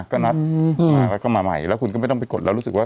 ก็นัดมาก็มาใหม่แล้วคุณก็ไม่ต้องไปกดแล้ว